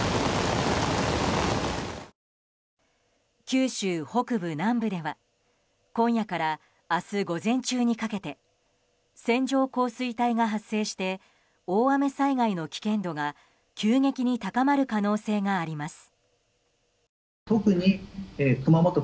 九州北部、南部では今夜から明日午前中にかけて線状降水帯が発生して大雨災害の危険度が急激に高まる可能性があります。